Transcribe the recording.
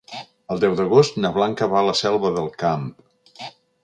El deu d'agost na Blanca va a la Selva del Camp.